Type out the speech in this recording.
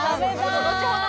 後ほど